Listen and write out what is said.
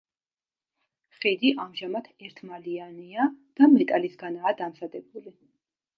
ხიდი ამჟამად ერთმალიანია და მეტალისგანაა დამზადებული.